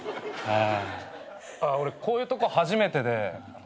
俺こういうとこ初めてで興味あって。